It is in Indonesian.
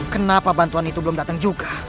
kenapa bantuan itu belum datang juga